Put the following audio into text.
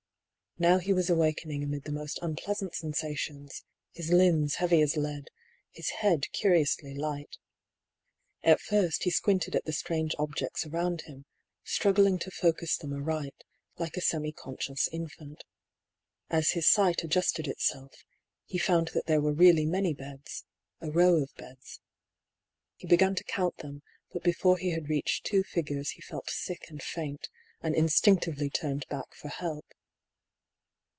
Now he was awakening amid the most un pleasant sensations : his limbs heavy as lead, his head curiously light. At first he squinted at the strange ob jects around him, struggling to focus them aright, like a semi conscious infant. As his sight adjusted itself, he found that there were really many beds — a row of beds. He began to count them, but before he had reached two figures he felt sick and faint, and instinc tively turned back for help.